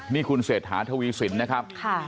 นี่คุณเศรษฐาทวีสินนะครับ